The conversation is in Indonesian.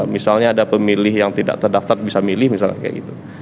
misalnya ada pemilih yang tidak terdaftar bisa milih misalnya kayak gitu